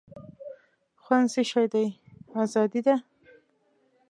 خوند څه شی دی آزادي ده.